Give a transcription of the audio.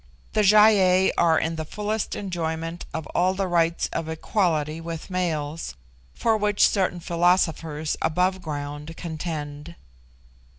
The Gy ei are in the fullest enjoyment of all the rights of equality with males, for which certain philosophers above ground contend.